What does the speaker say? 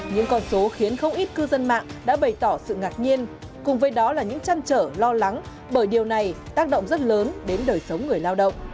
những con số khiến không ít cư dân mạng đã bày tỏ sự ngạc nhiên cùng với đó là những chăn trở lo lắng bởi điều này tác động rất lớn đến đời sống người lao động